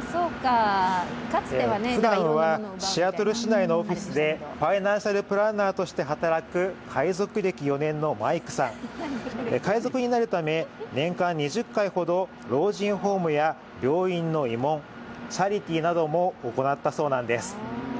ふだんはシアトル市内のオフィスでファイナンシャルプランナーとして働く海賊歴４年のマイクさん、海賊になるため年間２０回ほど老人ホームや病院の慰問チャリティーなども行ったそうなんです。